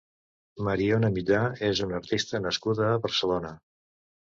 Mariona Millà és una artista nascuda a Barcelona.